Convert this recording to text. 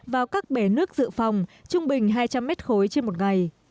vào các bể nước dự phòng trung bình hai trăm linh mét khối trên một ngày